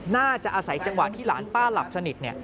น่าจะอาศัยจังหวะที่หลานป้าหลับสนิท